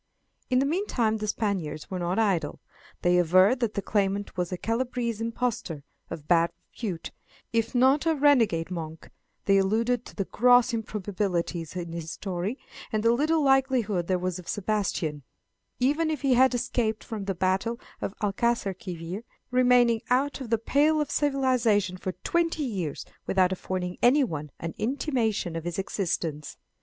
In the meantime the Spaniards were not idle. They averred that the claimant was a Calabrese impostor, of bad repute, if not a renegade monk; they alluded to the gross improbabilities in his story, and the little likelihood there was of Sebastian, even if he had escaped from the battle of Alcaçarquivir, remaining out of the pale of civilization for twenty years without affording anyone an intimation of his existence.